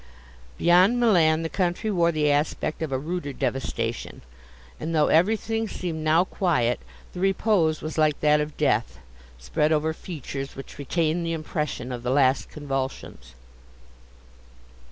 Beyond Milan, the country wore the aspect of a ruder devastation; and though everything seemed now quiet, the repose was like that of death, spread over features, which retain the impression of the last convulsions.